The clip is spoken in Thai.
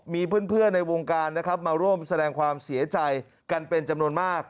มีเพื่อนในวงการนะครับมาร่วมแสดงความเสียใจกันเป็นจำนวนมาก